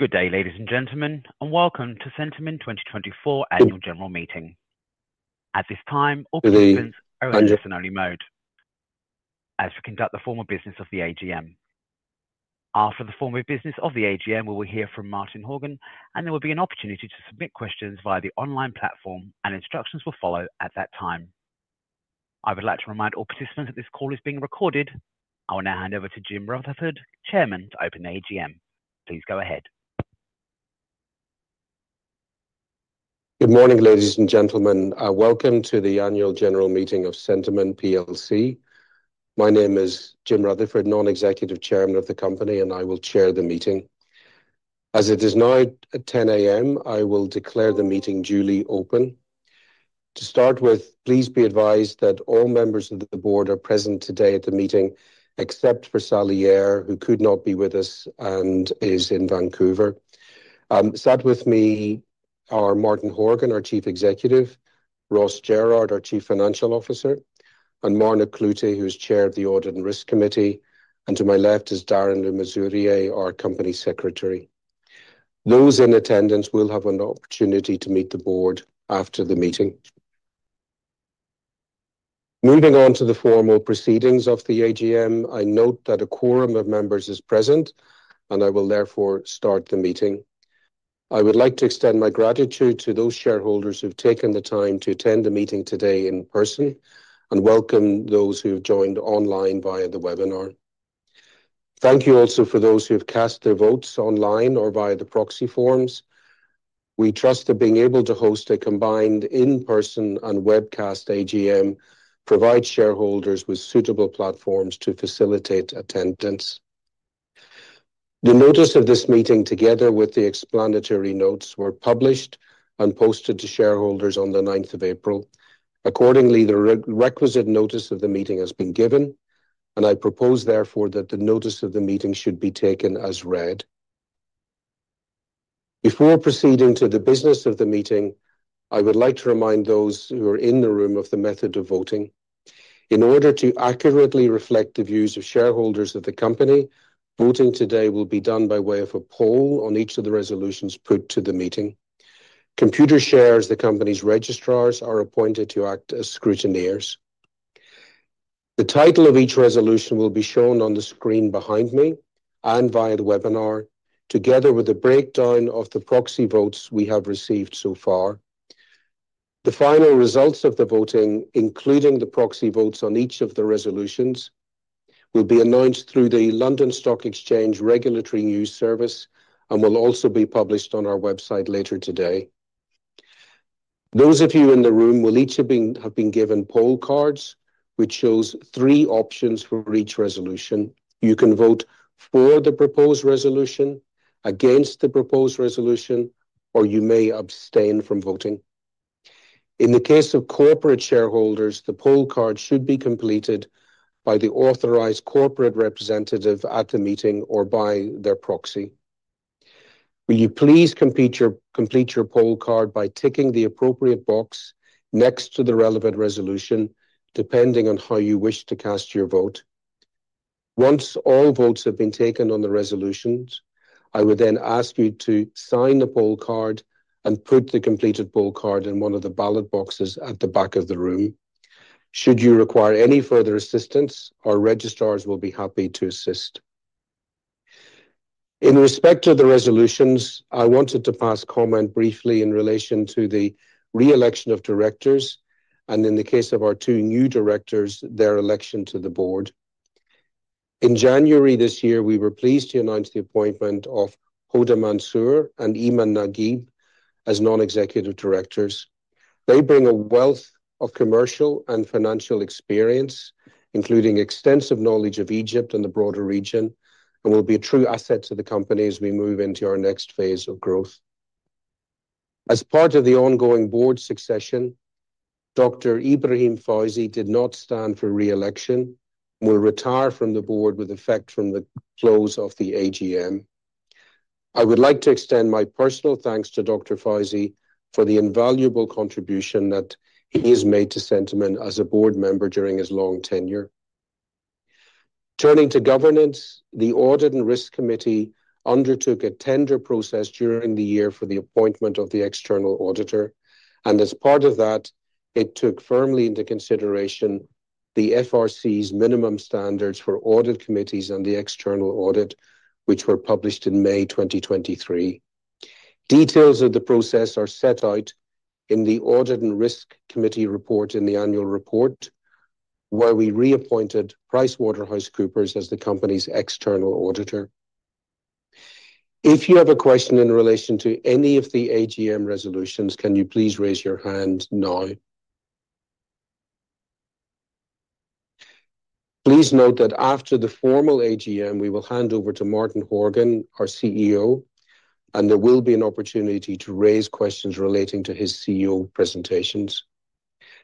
Good day, ladies and gentlemen, and welcome to Centamin 2024 Annual General Meeting. At this time, all participants are in listen-only mode as we conduct the formal business of the AGM. After the formal business of the AGM, we will hear from Martin Horgan, and there will be an opportunity to submit questions via the online platform, and instructions will follow at that time. I would like to remind all participants that this call is being recorded. I will now hand over to Jim Rutherford, Chairman, to open the AGM. Please go ahead. Good morning, ladies and gentlemen. Welcome to the Annual General Meeting of Centamin PLC. My name is Jim Rutherford, Non-Executive Chairman of the company, and I will chair the meeting. As it is now 10:00 A.M. I will declare the meeting duly open. To start with, please be advised that all members of the board are present today at the meeting, except for Sally Eyre, who could not be with us and is in Vancouver. Sat with me are Martin Horgan, our Chief Executive, Ross Jerrard, our Chief Financial Officer, and Marna Cloete, who is Chair of the Audit and Risk Committee, and to my left is Darren Le Masurier, our Company Secretary. Those in attendance will have an opportunity to meet the board after the meeting. Moving on to the formal proceedings of the AGM, I note that a quorum of members is present, and I will therefore start the meeting. I would like to extend my gratitude to those shareholders who've taken the time to attend the meeting today in person, and welcome those who've joined online via the webinar. Thank you also for those who have cast their votes online or via the proxy forms. We trust that being able to host a combined in-person and webcast AGM provides shareholders with suitable platforms to facilitate attendance. The notice of this meeting, together with the explanatory notes, were published and posted to shareholders on the ninth of April. Accordingly, the requisite notice of the meeting has been given, and I propose, therefore, that the notice of the meeting should be taken as read. Before proceeding to the business of the meeting, I would like to remind those who are in the room of the method of voting. In order to accurately reflect the views of shareholders of the company, voting today will be done by way of a poll on each of the resolutions put to the meeting. Computershare, the company's registrars, are appointed to act as scrutineers. The title of each resolution will be shown on the screen behind me and via the webinar, together with a breakdown of the proxy votes we have received so far. The final results of the voting, including the proxy votes on each of the resolutions, will be announced through the London Stock Exchange Regulatory News Service and will also be published on our website later today. Those of you in the room will each have been given poll cards, which shows three options for each resolution. You can vote for the proposed resolution, against the proposed resolution, or you may abstain from voting. In the case of corporate shareholders, the poll card should be completed by the authorized corporate representative at the meeting or by their proxy. Will you please complete your poll card by ticking the appropriate box next to the relevant resolution, depending on how you wish to cast your vote? Once all votes have been taken on the resolutions, I would then ask you to sign the poll card and put the completed poll card in one of the ballot boxes at the back of the room. Should you require any further assistance, our registrars will be happy to assist. In respect to the resolutions, I wanted to pass comment briefly in relation to the re-election of directors and, in the case of our two new directors, their election to the board. In January this year, we were pleased to announce the appointment of Hoda Mansour and Imane Naguib as non-executive directors. They bring a wealth of commercial and financial experience, including extensive knowledge of Egypt and the broader region, and will be a true asset to the company as we move into our next phase of growth. As part of the ongoing board succession, Dr. Ibrahim Fawzi did not stand for re-election and will retire from the board with effect from the close of the AGM. I would like to extend my personal thanks to Dr. Fawzi for the invaluable contribution that he has made to Centamin as a board member during his long tenure. Turning to governance, the Audit and Risk Committee undertook a tender process during the year for the appointment of the external auditor, and as part of that, it took firmly into consideration the FRC's minimum standards for audit committees and the external audit, which were published in May 2023. Details of the process are set out in the Audit and Risk Committee report in the annual report, where we reappointed PricewaterhouseCoopers as the company's external auditor. If you have a question in relation to any of the AGM resolutions, can you please raise your hand now? Please note that after the formal AGM, we will hand over to Martin Horgan, our CEO, and there will be an opportunity to raise questions relating to his CEO presentations.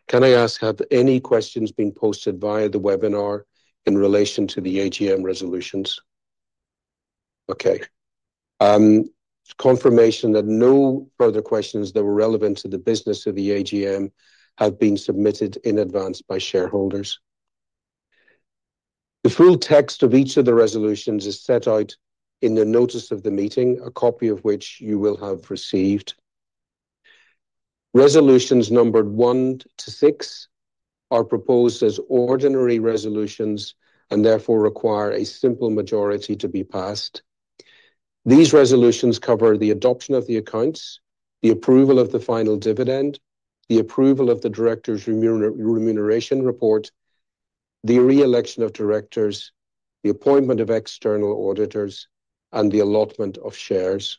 Can I ask, have any questions been posted via the webinar in relation to the AGM resolutions? Okay. Confirmation that no further questions that were relevant to the business of the AGM have been submitted in advance by shareholders. The full text of each of the resolutions is set out in the notice of the meeting, a copy of which you will have received. Resolutions numbered one to six are proposed as ordinary resolutions, and therefore require a simple majority to be passed. These resolutions cover the adoption of the accounts, the approval of the final dividend, the approval of the directors' remuneration report, the re-election of directors, the appointment of external auditors, and the allotment of shares.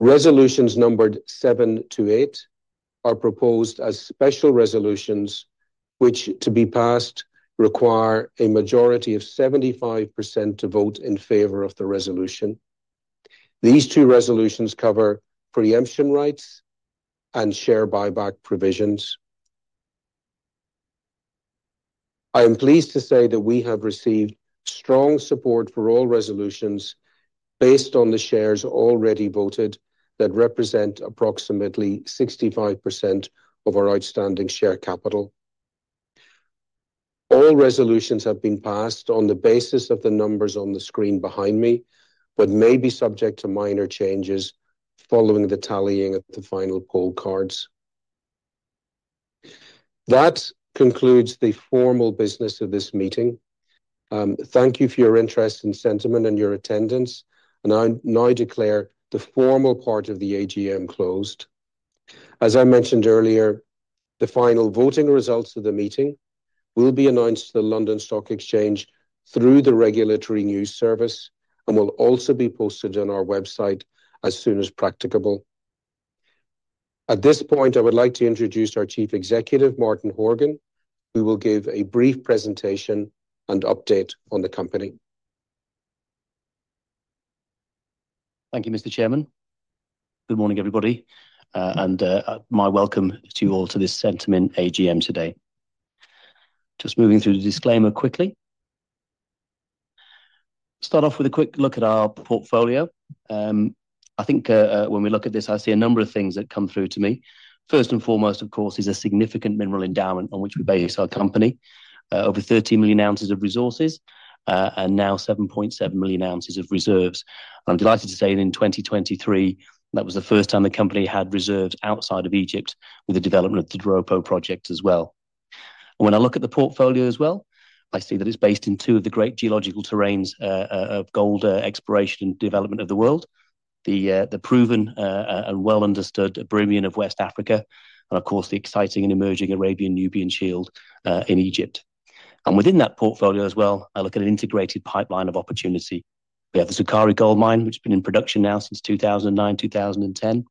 Resolutions numbered seven to eight are proposed as special resolutions, which, to be passed, require a majority of 75% to vote in favor of the resolution. These two resolutions cover preemption rights and share buyback provisions. I am pleased to say that we have received strong support for all resolutions based on the shares already voted, that represent approximately 65% of our outstanding share capital. All resolutions have been passed on the basis of the numbers on the screen behind me, but may be subject to minor changes following the tallying of the final poll cards. That concludes the formal business of this meeting. Thank you for your interest in Centamin and your attendance. I now declare the formal part of the AGM closed. As I mentioned earlier, the final voting results of the meeting will be announced to the London Stock Exchange through the Regulatory News Service, and will also be posted on our website as soon as practicable. At this point, I would like to introduce our Chief Executive, Martin Horgan, who will give a brief presentation and update on the company. Thank you, Mr. Chairman. Good morning, everybody, and my welcome to you all to this Centamin AGM today. Just moving through the disclaimer quickly. Start off with a quick look at our portfolio. I think, when we look at this, I see a number of things that come through to me. First and foremost, of course, is a significant mineral endowment on which we base our company. Over 30 million ounces of resources, and now 7.7 million ounces of reserves. I'm delighted to say that in 2023, that was the first time the company had reserves outside of Egypt, with the development of the Doropo project as well. When I look at the portfolio as well, I see that it's based in two of the great geological terrains of gold exploration and development of the world. The proven and well-understood Eburnean of West Africa, and of course, the exciting and emerging Arabian-Nubian Shield in Egypt. And within that portfolio as well, I look at an integrated pipeline of opportunity. We have the Sukari Gold Mine, which has been in production now since 2009, 2010.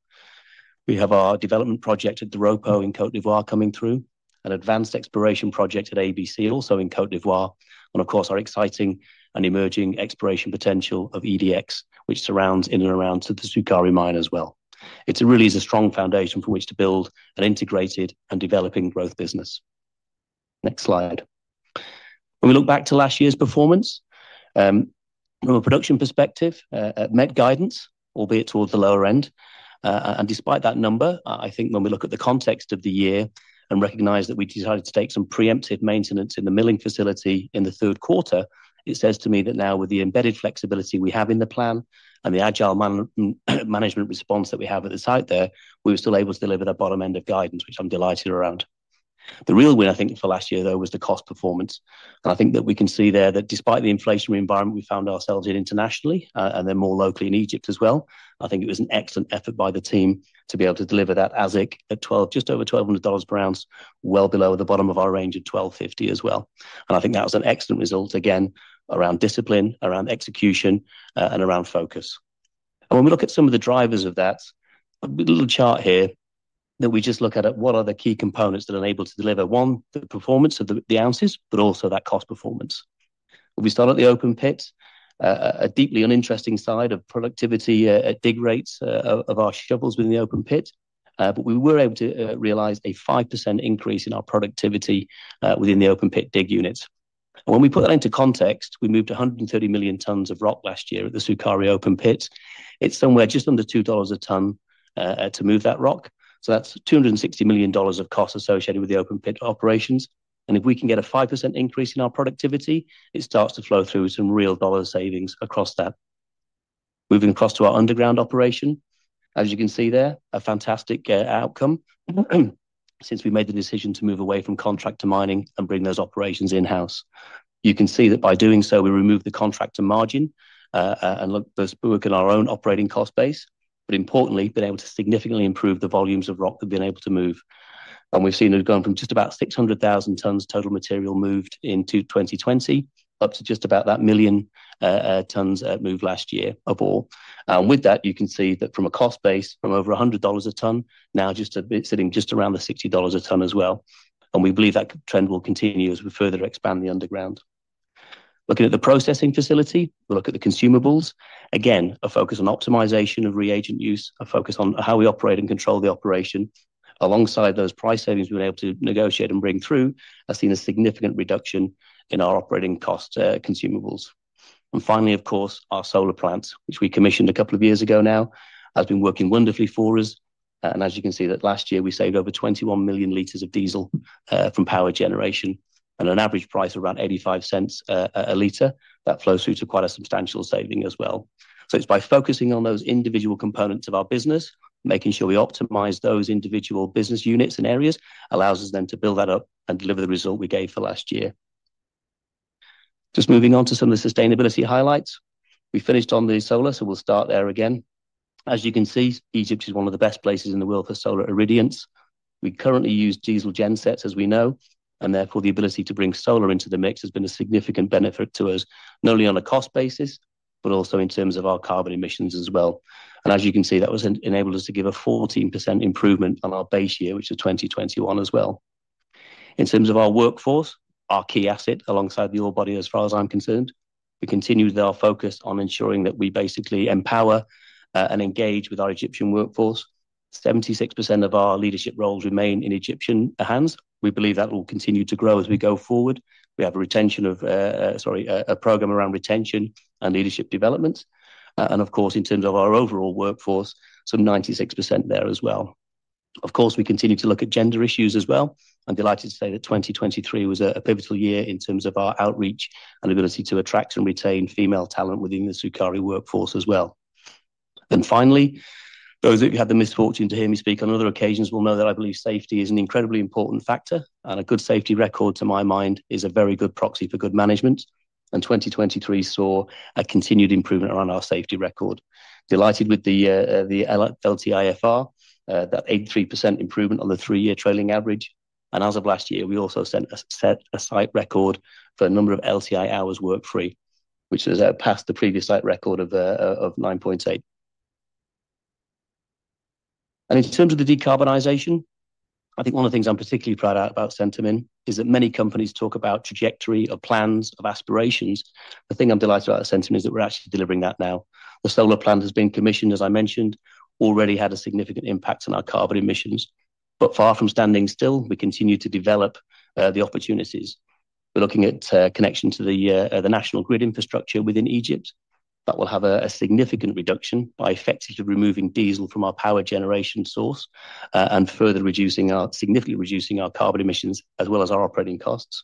We have our development project at Doropo in Côte d'Ivoire coming through, an advanced exploration project at ABC, also in Côte d'Ivoire, and of course, our exciting and emerging exploration potential of EDX, which surrounds in and around to the Sukari mine as well. It really is a strong foundation from which to build an integrated and developing growth business. Next slide. When we look back to last year's performance, from a production perspective, met guidance, albeit towards the lower end. And despite that number, I think when we look at the context of the year and recognize that we decided to take some preemptive maintenance in the milling facility in the third quarter, it says to me that now with the embedded flexibility we have in the plan and the agile management response that we have at the site there, we were still able to deliver that bottom end of guidance, which I'm delighted around. The real win, I think, for last year, though, was the cost performance. I think that we can see there that despite the inflationary environment we found ourselves in internationally, and then more locally in Egypt as well, I think it was an excellent effort by the team to be able to deliver that AISC at $1,200—just over $1,200 per ounce, well below the bottom of our range of $1,250 as well. I think that was an excellent result, again, around discipline, around execution, and around focus. And when we look at some of the drivers of that, a little chart here, that we just look at, at what are the key components that are able to deliver, one, the performance of the, the ounces, but also that cost performance. If we start at the open pit, a deeply uninteresting side of productivity, at dig rates of our shovels within the open pit, but we were able to realize a 5% increase in our productivity within the open pit dig units. When we put that into context, we moved 130 million tons of rock last year at the Sukari open pit. It's somewhere just under $2 a ton to move that rock, so that's $260 million of cost associated with the open pit operations. If we can get a 5% increase in our productivity, it starts to flow through some real dollar savings across that. Moving across to our underground operation. As you can see there, a fantastic outcome, since we made the decision to move away from contract to mining and bring those operations in-house. You can see that by doing so, we removed the contractor margin, and thus work on our own operating cost base, but importantly, been able to significantly improve the volumes of rock we've been able to move. And we've seen it gone from just about 600,000 tons total material moved in 2020, up to just about that 1 million tons moved last year of ore. And with that, you can see that from a cost base, from over $100 a ton, now just a bit, sitting just around the $60 a ton as well, and we believe that trend will continue as we further expand the underground. Looking at the processing facility, we look at the consumables. Again, a focus on optimization of reagent use, a focus on how we operate and control the operation. Alongside those price savings we've been able to negotiate and bring through, I've seen a significant reduction in our operating cost, consumables. And finally, of course, our solar plant, which we commissioned a couple of years ago now, has been working wonderfully for us. And as you can see that last year, we saved over 21 million liters of diesel from power generation, at an average price of around $0.85 a liter. That flows through to quite a substantial saving as well. So it's by focusing on those individual components of our business, making sure we optimize those individual business units and areas, allows us then to build that up and deliver the result we gave for last year. Just moving on to some of the sustainability highlights. We finished on the solar, so we'll start there again. As you can see, Egypt is one of the best places in the world for solar irradiance. We currently use diesel gen sets, as we know, and therefore, the ability to bring solar into the mix has been a significant benefit to us, not only on a cost basis, but also in terms of our carbon emissions as well. And as you can see, that enabled us to give a 14% improvement on our base year, which is 2021 as well. In terms of our workforce, our key asset, alongside the ore body, as far as I'm concerned, we continued our focus on ensuring that we basically empower, and engage with our Egyptian workforce. 76% of our leadership roles remain in Egyptian hands. We believe that will continue to grow as we go forward. We have a retention of, sorry, a program around retention and leadership development. And of course, in terms of our overall workforce, some 96% there as well. Of course, we continue to look at gender issues as well. I'm delighted to say that 2023 was a pivotal year in terms of our outreach and ability to attract and retain female talent within the Sukari workforce as well. Then finally, those of you who had the misfortune to hear me speak on other occasions will know that I believe safety is an incredibly important factor, and a good safety record, to my mind, is a very good proxy for good management. 2023 saw a continued improvement on our safety record. Delighted with the LTIFR, that 83% improvement on the three-year trailing average. And as of last year, we also set a site record for a number of LTI hours work free, which has passed the previous site record of 9.8. And in terms of the decarbonization, I think one of the things I'm particularly proud about Centamin is that many companies talk about trajectory of plans, of aspirations. The thing I'm delighted about at Centamin is that we're actually delivering that now. The solar plant has been commissioned, as I mentioned, already had a significant impact on our carbon emissions. But far from standing still, we continue to develop the opportunities. We're looking at connection to the national grid infrastructure within Egypt. That will have a significant reduction by effectively removing diesel from our power generation source, and further reducing, significantly reducing our carbon emissions, as well as our operating costs.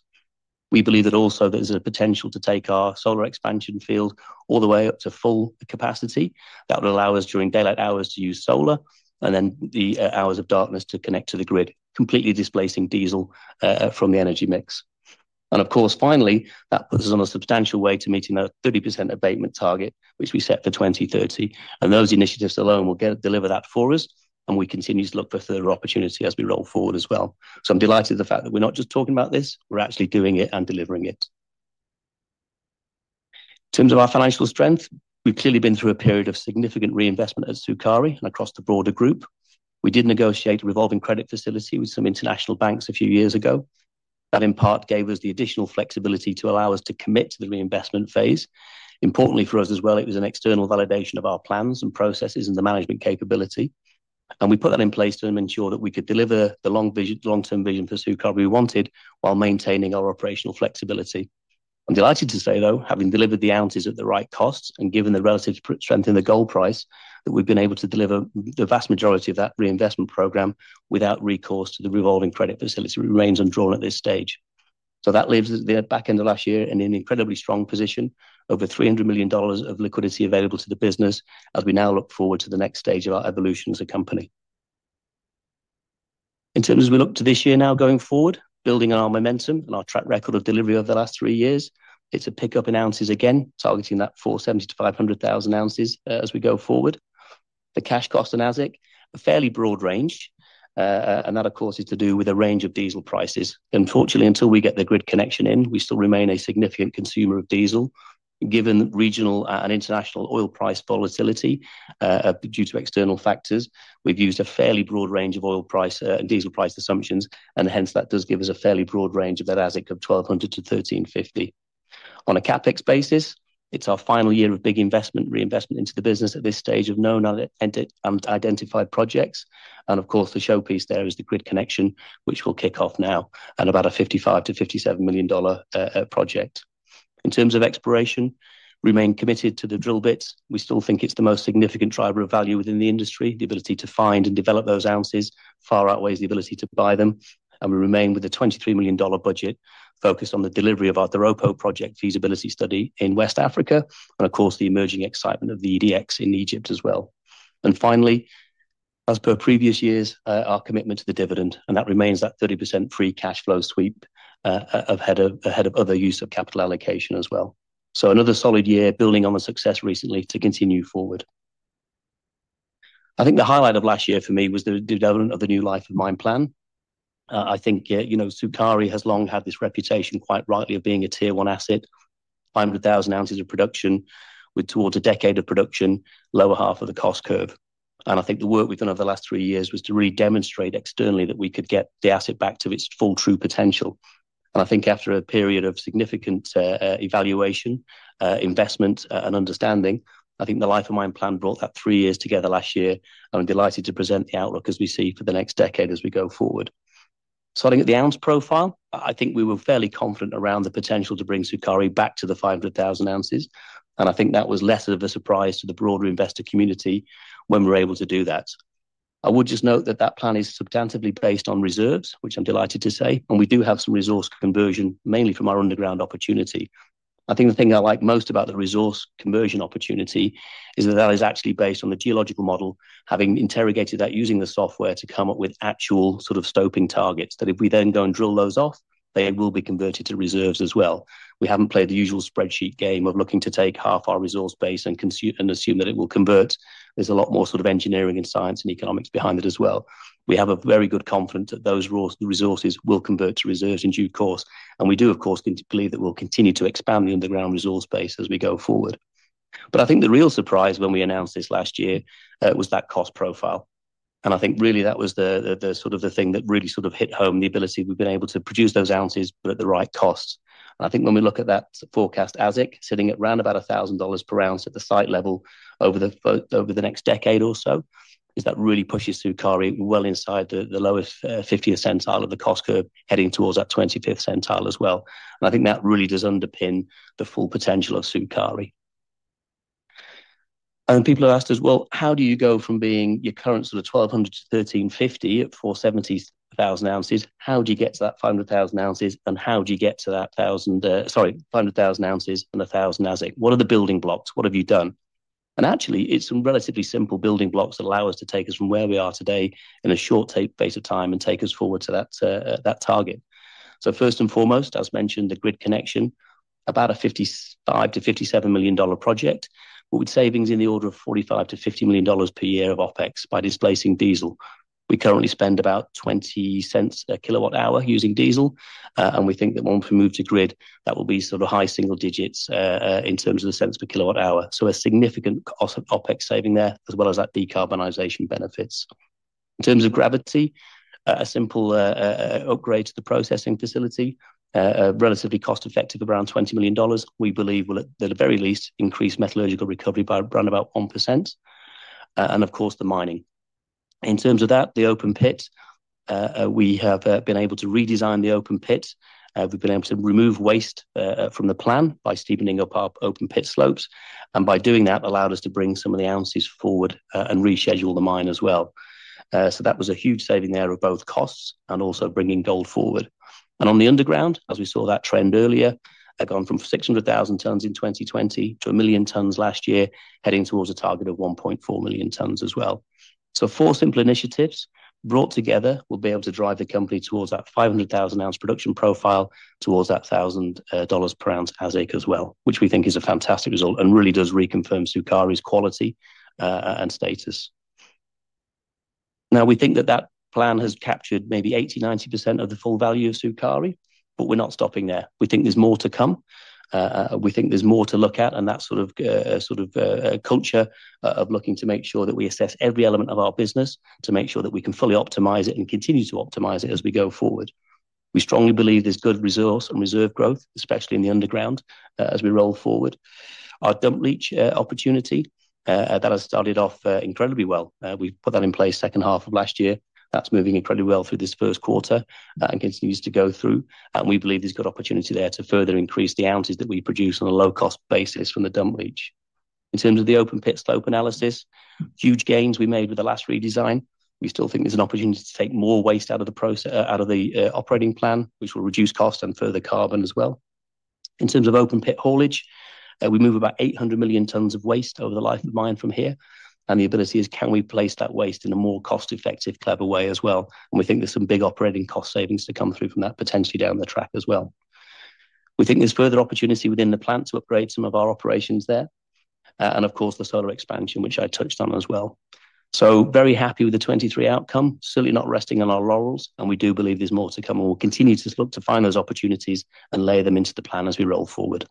We believe that also there's a potential to take our solar expansion field all the way up to full capacity. That would allow us, during daylight hours, to use solar, and then the hours of darkness to connect to the grid, completely displacing diesel from the energy mix. Of course, finally, that puts us on a substantial way to meeting that 30% abatement target, which we set for 2030. Those initiatives alone will get, deliver that for us, and we continue to look for further opportunity as we roll forward as well. So I'm delighted at the fact that we're not just talking about this, we're actually doing it and delivering it. In terms of our financial strength, we've clearly been through a period of significant reinvestment at Sukari and across the broader group. We did negotiate a revolving credit facility with some international banks a few years ago. That, in part, gave us the additional flexibility to allow us to commit to the reinvestment phase. Importantly for us as well, it was an external validation of our plans and processes and the management capability, and we put that in place to ensure that we could deliver the long-term vision for Sukari we wanted, while maintaining our operational flexibility. I'm delighted to say, though, having delivered the ounces at the right cost and given the relative strength in the gold price, that we've been able to deliver the vast majority of that reinvestment program without recourse to the revolving credit facility remains undrawn at this stage. So that leaves us at the back end of last year in an incredibly strong position, over $300 million of liquidity available to the business as we now look forward to the next stage of our evolution as a company. In terms as we look to this year now going forward, building on our momentum and our track record of delivery over the last three years, it's a pick-up in ounces again, targeting that 470,000 ounces-500,000 ounces, as we go forward. The cash cost on AISC, a fairly broad range, and that, of course, is to do with a range of diesel prices. Unfortunately, until we get the grid connection in, we still remain a significant consumer of diesel. Given regional, and international oil price volatility, due to external factors, we've used a fairly broad range of oil price, diesel price assumptions, and hence, that does give us a fairly broad range of that AISC of $1,200-$1,350. On a CapEx basis, it's our final year of big investment, reinvestment into the business at this stage of no other identified projects. And of course, the showpiece there is the grid connection, which will kick off now at about a $55 million-$57 million project. In terms of exploration, remain committed to the drill bits. We still think it's the most significant driver of value within the industry. The ability to find and develop those ounces far outweighs the ability to buy them, and we remain with a $23 million budget focused on the delivery of our Doropo project feasibility study in West Africa, and of course, the emerging excitement of the EDX in Egypt as well. Finally, as per previous years, our commitment to the dividend, and that remains that 30% free cash flow sweep, ahead of other use of capital allocation as well. Another solid year building on the success recently to continue forward. I think the highlight of last year for me was the development of the new life of mine plan. I think, you know, Sukari has long had this reputation, quite rightly, of being a Tier One asset, 500,000 ounces of production, with towards a decade of production, lower half of the cost curve. I think the work we've done over the last three years was to really demonstrate externally that we could get the asset back to its full, true potential. I think after a period of significant evaluation, investment, and understanding, I think the life of mine plan brought that three years together last year. I'm delighted to present the outlook as we see for the next decade as we go forward. Starting at the ounce profile, I think we were fairly confident around the potential to bring Sukari back to the 500,000 ounces, and I think that was less of a surprise to the broader investor community when we were able to do that. I would just note that that plan is substantively based on reserves, which I'm delighted to say, and we do have some resource conversion, mainly from our underground opportunity. I think the thing I like most about the resource conversion opportunity is that that is actually based on the geological model, having interrogated that using the software to come up with actual sort of stopping targets, that if we then go and drill those off, they will be converted to reserves as well. We haven't played the usual spreadsheet game of looking to take half our resource base and and assume that it will convert. There's a lot more sort of engineering and science and economics behind it as well. We have a very good confidence that those resources will convert to reserves in due course, and we do, of course, believe that we'll continue to expand the underground resource base as we go forward. But I think the real surprise when we announced this last year was that cost profile. I think really that was the sort of thing that really sort of hit home, the ability we've been able to produce those ounces, but at the right cost. And I think when we look at that forecast AISC, sitting at round about $1,000 per ounce at the site level over the next decade or so, that really pushes Sukari well inside the lowest 50th percentile of the cost curve, heading towards that 25th percentile as well. And I think that really does underpin the full potential of Sukari. And people have asked us, "Well, how do you go from being your current sort of 1,200 to 1,350 at 470,000 ounces? How do you get to that 500,000 ounces, and how do you get to that 1,000 Sorry, 500,000 ounces and 1,000 AISC? What are the building blocks? What have you done?" And actually, it's some relatively simple building blocks that allow us to take us from where we are today in a short space of time and take us forward to that target. So first and foremost, as mentioned, the grid connection, about a $55 million-$57 million project, with savings in the order of $45 million-$50 million per year of OpEx by displacing diesel. We currently spend about $0.20/kWh using diesel, and we think that once we move to grid, that will be sort of high single digits in terms of the cents per kWh. So a significant cost, OpEx saving there, as well as that decarbonization benefits. In terms of gravity, a simple upgrade to the processing facility, relatively cost-effective, around $20 million, we believe will, at the very least, increase metallurgical recovery by around about 1%. And of course, the mining. In terms of that, the open pit, we have been able to redesign the open pit. We've been able to remove waste from the plan by steepening up our open pit slopes, and by doing that, allowed us to bring some of the ounces forward and reschedule the mine as well. So that was a huge saving there of both costs and also bringing gold forward. And on the underground, as we saw that trend earlier, I've gone from 600,000 tons in 2020 to 1,000,000 tons last year, heading towards a target of 1.4 million tons as well. So four simple initiatives brought together, will be able to drive the company towards that 500,000 ounce production profile, towards that $1,000 per ounce AISC as well, which we think is a fantastic result and really does reconfirm Sukari's quality, and status. Now, we think that that plan has captured maybe 80%-90% of the full value of Sukari, but we're not stopping there. We think there's more to come. We think there's more to look at, and that sort of, sort of, culture of looking to make sure that we assess every element of our business to make sure that we can fully optimize it and continue to optimize it as we go forward. We strongly believe there's good resource and reserve growth, especially in the underground, as we roll forward. Our dump leach opportunity that has started off incredibly well. We've put that in place second half of last year. That's moving incredibly well through this first quarter, and continues to go through, and we believe there's good opportunity there to further increase the ounces that we produce on a low cost basis from the dump leach. In terms of the open pit slope analysis, huge gains we made with the last redesign. We still think there's an opportunity to take more waste out of the process, out of the operating plan, which will reduce cost and further carbon as well. In terms of open pit haulage, we move about 800 million tons of waste over the life of the mine from here, and the ability is, can we place that waste in a more cost-effective, clever way as well? We think there's some big operating cost savings to come through from that potentially down the track as well. We think there's further opportunity within the plant to upgrade some of our operations there, and of course, the solar expansion, which I touched on as well. So very happy with the 2023 outcome, certainly not resting on our laurels, and we do believe there's more to come, and we'll continue to look to find those opportunities and layer them into the plan as we roll forward.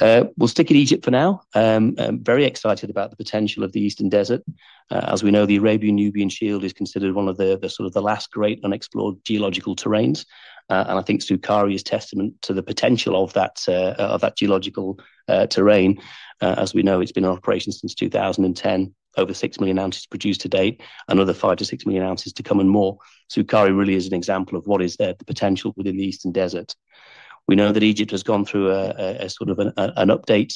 We'll stick in Egypt for now. I'm very excited about the potential of the Eastern Desert. As we know, the Arabian Nubian Shield is considered one of the, the sort of the last great unexplored geological terrains, and I think Sukari is testament to the potential of that, of that geological, terrain. As we know, it's been in operation since 2010. Over 6 million ounces produced to date, another 5 million-6 million ounces to come and more. Sukari really is an example of what is there, the potential within the Eastern Desert. We know that Egypt has gone through a sort of an update,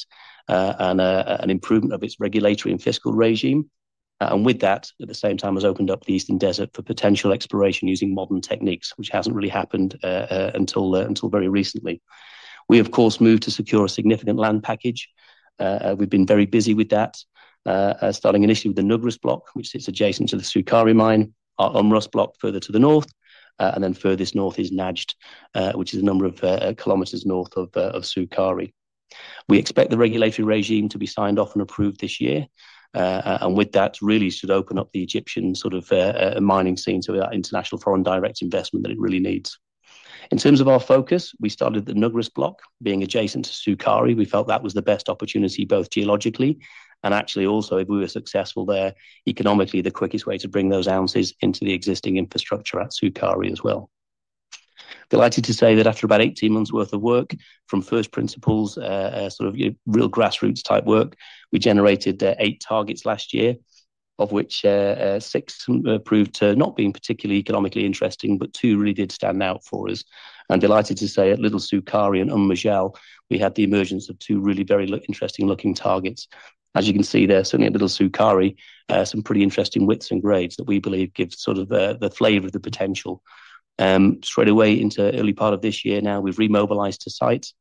and an improvement of its regulatory and fiscal regime, and with that, at the same time, has opened up the Eastern Desert for potential exploration using modern techniques, which hasn't really happened until very recently. We, of course, moved to secure a significant land package. We've been very busy with that, starting initially with the Nugrus block, which sits adjacent to the Sukari mine, our Um Rus block further to the north, and then furthest north is Najd, which is a number of kilometers north of Sukari. We expect the regulatory regime to be signed off and approved this year, and with that, really should open up the Egyptian sort of mining scene to the international foreign direct investment that it really needs. In terms of our focus, we started the Nugrus block. Being adjacent to Sukari, we felt that was the best opportunity, both geologically and actually also, if we were successful there, economically, the quickest way to bring those ounces into the existing infrastructure at Sukari as well. Delighted to say that after about 18 months worth of work from first principles, sort of real grassroots type work, we generated eight targets last year, of which six proved to not being particularly economically interesting, but two really did stand out for us. I'm delighted to say at Little Sukari and Umm Majal, we had the emergence of two really very interesting looking targets. As you can see there, certainly at Little Sukari, some pretty interesting widths and grades that we believe give sort of the, the flavor of the potential. Straight away into early part of this year now, we've remobilized to sites.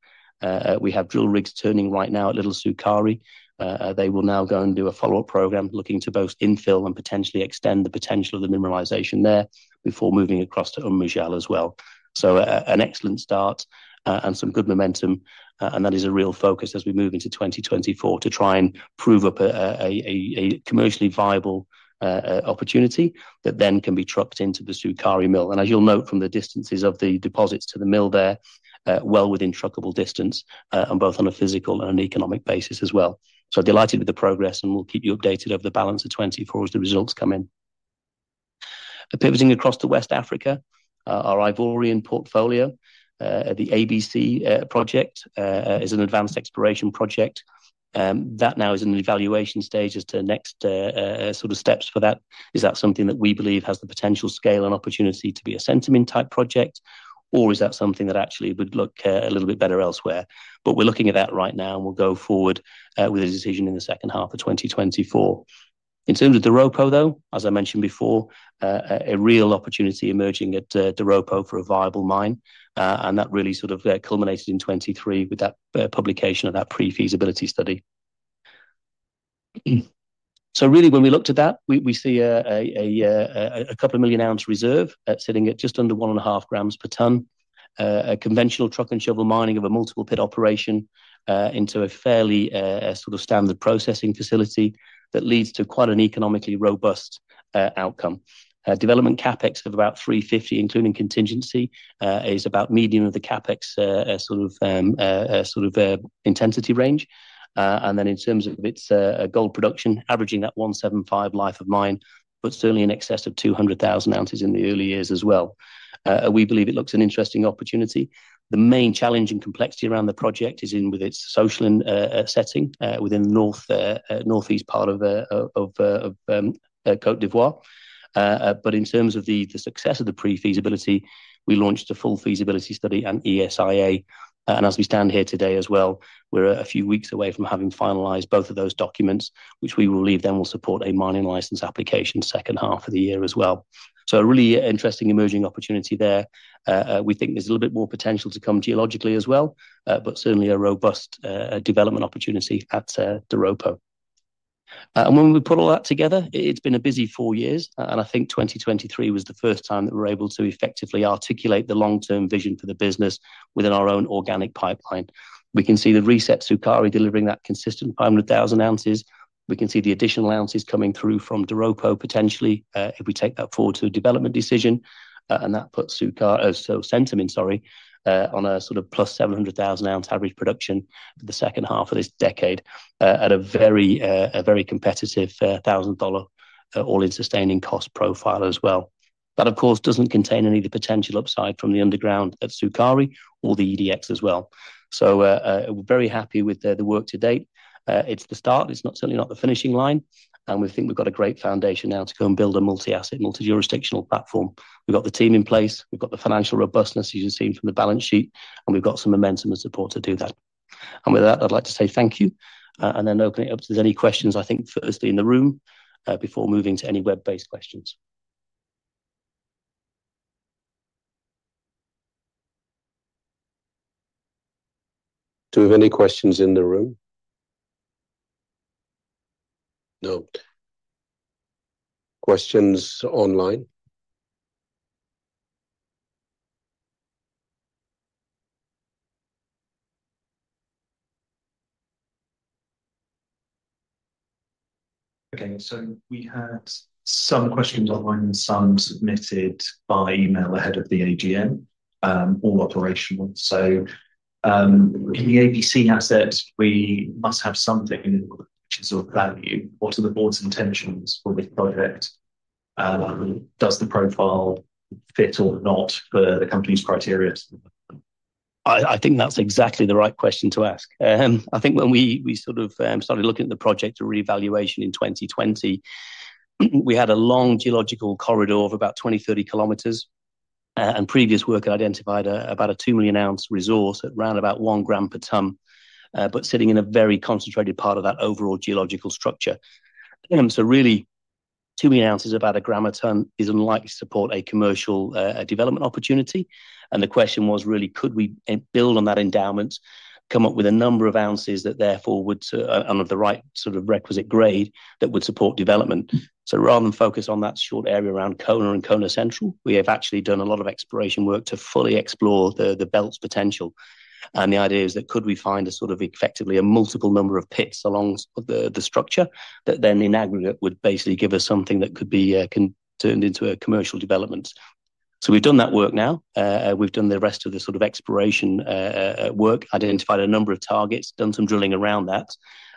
We have drill rigs turning right now at Little Sukari. They will now go and do a follow-up program, looking to both infill and potentially extend the potential of the mineralization there before moving across to Umm Majal as well. So an excellent start, and some good momentum, and that is a real focus as we move into 2024, to try and prove up a commercially viable opportunity that then can be trucked into the Sukari mill. And as you'll note from the distances of the deposits to the mill there, well within truckable distance, on both on a physical and an economic basis as well. So delighted with the progress, and we'll keep you updated over the balance of 2024 as the results come in. Pivoting across to West Africa, our Ivorian portfolio, the ABC Project, is an advanced exploration project. That now is in the evaluation stage as to next sort of steps for that. Is that something that we believe has the potential, scale, and opportunity to be a Centamin-type project, or is that something that actually would look a little bit better elsewhere? But we're looking at that right now, and we'll go forward with a decision in the second half of 2024. In terms of the Doropo, though, as I mentioned before, a real opportunity emerging at Doropo for a viable mine, and that really sort of culminated in 2023 with that publication of that pre-feasibility study. So really, when we looked at that, we see a couple of million ounce reserve sitting at just under 1.5 grams per ton. A conventional truck and shovel mining of a multiple pit operation into a fairly sort of standard processing facility that leads to quite an economically robust outcome. Development CapEx of about $350 million, including contingency, is about medium of the CapEx sort of intensity range. And then in terms of its gold production, averaging that 175,000 life of mine, but certainly in excess of 200,000 ounces in the early years as well. We believe it looks an interesting opportunity. The main challenge and complexity around the project is in with its social and setting within the northeast part of Côte d'Ivoire. But in terms of the success of the pre-feasibility, we launched a full feasibility study and ESIA. As we stand here today as well, we're a few weeks away from having finalized both of those documents, which we believe then will support a mining license application second half of the year as well. A really interesting emerging opportunity there. We think there's a little bit more potential to come geologically as well, but certainly a robust development opportunity at Doropo. When we put all that together, it's been a busy four years, and I think 2023 was the first time that we're able to effectively articulate the long-term vision for the business within our own organic pipeline. We can see the reset Sukari delivering that consistent 500,000 ounces. We can see the additional ounces coming through from Doropo, potentially, if we take that forward to a development decision, and that puts Sukari - so Centamin, sorry, on a sort of plus 700,000 ounce average production for the second half of this decade, at a very competitive $1,000 all-in sustaining cost profile as well. That, of course, doesn't contain any of the potential upside from the underground at Sukari or the EDX as well. So, we're very happy with the work to date. It's the start, it's not, certainly not the finishing line, and we think we've got a great foundation now to go and build a multi-asset, multi-jurisdictional platform. We've got the team in place, we've got the financial robustness, as you've seen from the balance sheet, and we've got some momentum and support to do that. And with that, I'd like to say thank you, and then open it up to any questions, I think, firstly in the room, before moving to any web-based questions. Do we have any questions in the room? No. Questions online? Okay, so we had some questions online and some submitted by email ahead of the AGM, all operational. In the ABC asset, we must have something which is of value. What are the board's intentions for this project? Does the profile fit or not for the company's criteria? I think that's exactly the right question to ask. I think when we sort of started looking at the project revaluation in 2020, we had a long geological corridor of about 20 km-30 km, and previous work had identified about a 2 million ounce resource at around about 1 gram per ton, but sitting in a very concentrated part of that overall geological structure. So really, 2 million ounces about 1 gram a ton is unlikely to support a commercial development opportunity. And the question was really, could we build on that endowment, come up with a number of ounces that therefore would and of the right sort of requisite grade, that would support development? So rather than focus on that short area around Kona and Kona Central, we have actually done a lot of exploration work to fully explore the belt's potential. And the idea is that could we find a sort of, effectively, a multiple number of pits along the structure, that then in aggregate, would basically give us something that could be turned into a commercial development. So we've done that work now. We've done the rest of the sort of exploration work, identified a number of targets, done some drilling around that,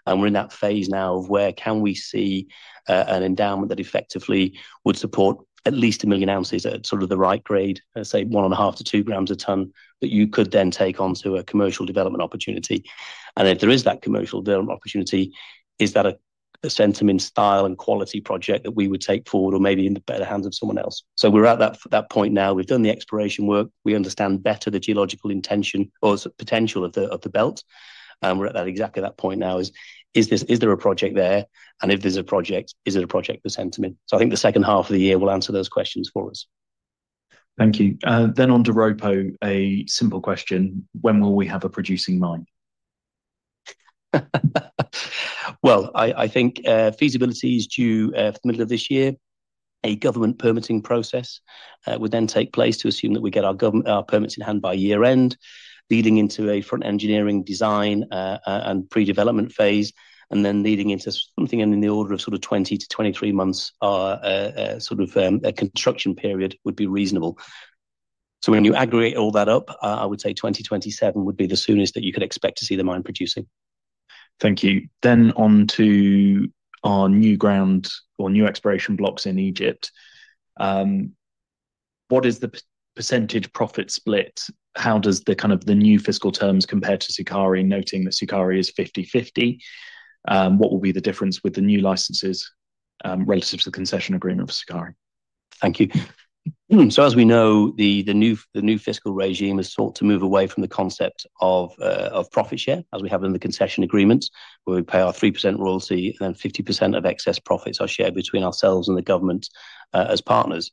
and we're in that phase now of where can we see an endowment that effectively would support at least 1 million ounces at sort of the right grade, let's say 1.5 grams-2 grams a ton, that you could then take on to a commercial development opportunity. And if there is that commercial development opportunity, is that a significant scale and quality project that we would take forward or maybe in the better hands of someone else? So we're at that point now. We've done the exploration work. We understand better the geological extension or the potential of the belt, and we're at exactly that point now: is there a project there? And if there's a project, is it a project for Centamin? So I think the second half of the year will answer those questions for us. Thank you. On to Doropo, a simple question: When will we have a producing mine? Well, I think feasibility is due for the middle of this year. A government permitting process would then take place to assume that we get our government, our permits in hand by year end, leading into a front engineering design and pre-development phase, and then leading into something in the order of sort of 20 months-23 months, sort of, a construction period would be reasonable. So when you aggregate all that up, I would say 2027 would be the soonest that you could expect to see the mine producing. Thank you. Then on to our new ground or new exploration blocks in Egypt. What is the percentage profit split? How does the kind of the new fiscal terms compare to Sukari, noting that Sukari is 50/50? What will be the difference with the new licenses, relative to the concession agreement for Sukari? Thank you. So as we know, the new fiscal regime is sought to move away from the concept of profit share, as we have in the concession agreements, where we pay our 3% royalty, and then 50% of excess profits are shared between ourselves and the government, as partners.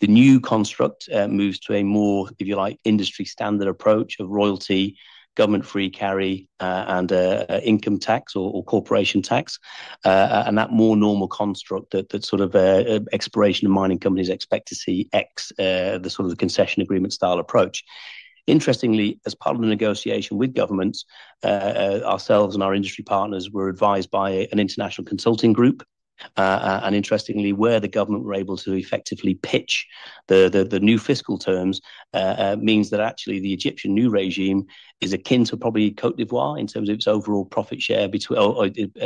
The new construct moves to a more, if you like, industry-standard approach of royalty, government-free carry, and income tax or corporation tax. And that more normal construct that sort of exploration and mining companies expect to see ex the sort of the concession agreement style approach. Interestingly, as part of the negotiation with governments, ourselves and our industry partners were advised by an international consulting group. And interestingly, where the government were able to effectively pitch the, the, the new fiscal terms, means that actually the Egyptian new regime is akin to probably Côte d'Ivoire in terms of its overall profit share between...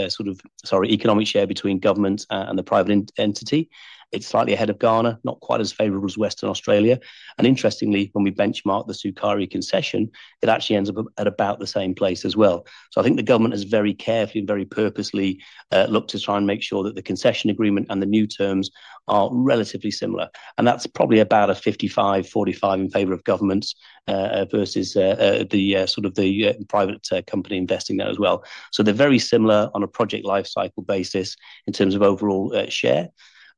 sort of, sorry, economic share between government and the private entity. It's slightly ahead of Ghana, not quite as favorable as Western Australia, and interestingly, when we benchmark the Sukari concession, it actually ends up at about the same place as well. So I think the government has very carefully and very purposely looked to try and make sure that the concession agreement and the new terms are relatively similar, and that's probably about a 55-45 in favor of governments versus the sort of the private company investing there as well. So they're very similar on a project lifecycle basis in terms of overall, share.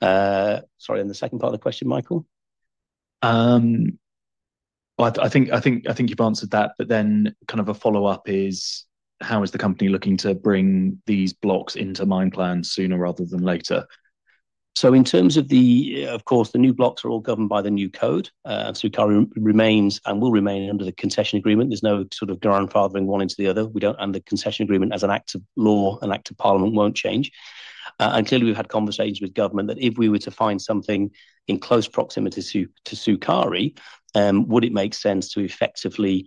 Sorry, and the second part of the question, Michael? Well, I think, I think, I think you've answered that, but then kind of a follow-up is: How is the company looking to bring these blocks into mine plans sooner rather than later? Of course, the new blocks are all governed by the new code. Sukari remains and will remain under the concession agreement. There's no sort of grandfathering one into the other. The concession agreement as an act of law, an act of Parliament won't change. And clearly, we've had conversations with government that if we were to find something in close proximity to Sukari, would it make sense to effectively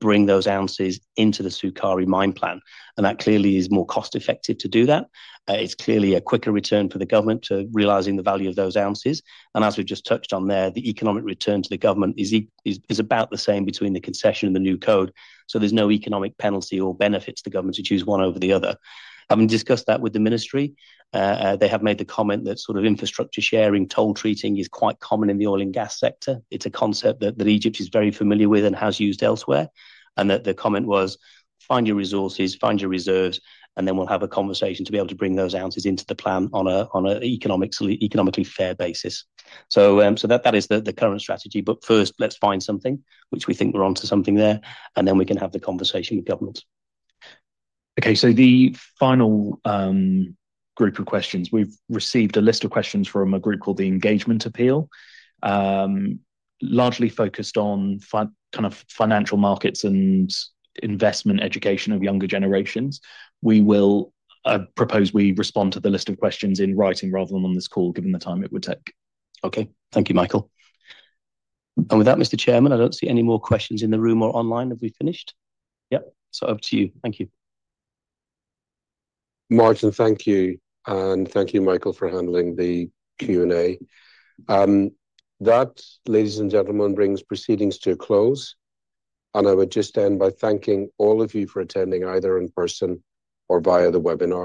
bring those ounces into the Sukari mine plan? And that clearly is more cost effective to do that. It's clearly a quicker return for the government to realizing the value of those ounces. And as we've just touched on there, the economic return to the government is about the same between the concession and the new code, so there's no economic penalty or benefits to the government to choose one over the other. Having discussed that with the ministry, they have made the comment that sort of infrastructure sharing, toll treating is quite common in the oil and gas sector. It's a concept that Egypt is very familiar with and has used elsewhere, and that the comment was, "Find your resources, find your reserves, and then we'll have a conversation to be able to bring those ounces into the plan on a economically fair basis." So, so that is the current strategy, but first, let's find something, which we think we're onto something there, and then we can have the conversation with government. Okay, so the final group of questions. We've received a list of questions from a group called The Engagement Appeal, largely focused on kind of financial markets and investment education of younger generations. We will propose we respond to the list of questions in writing rather than on this call, given the time it would take. Okay. Thank you, Michael. And with that, Mr. Chairman, I don't see any more questions in the room or online. Have we finished? Yep, so up to you. Thank you. Martin, thank you, and thank you, Michael, for handling the Q&A. That, ladies and gentlemen, brings proceedings to a close, and I would just end by thanking all of you for attending, either in person or via the webinar.